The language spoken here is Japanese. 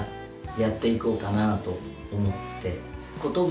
やって行こうかなと思って。